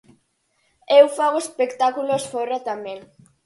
Eu fago espectáculos fóra tamén.